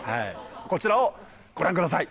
こちらをご覧ください。